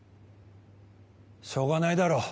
しょうがないだろ？